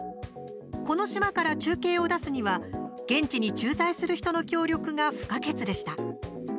この島から中継を出すには現地に駐在する人の協力が不可欠でした。